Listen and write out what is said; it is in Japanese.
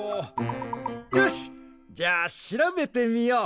よしじゃあしらべてみよう。